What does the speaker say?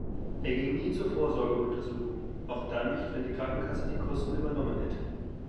Er ging nie zur Vorsorgeuntersuchung, auch dann nicht, wenn die Krankenkasse die Kosten übernommen hätte.